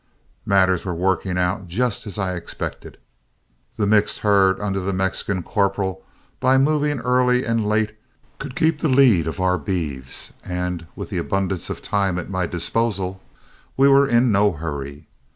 Matters were working out just as I expected. The mixed herd under the Mexican corporal, by moving early and late, could keep the lead of our beeves, and with the abundance of time at my disposal we were in no hurry.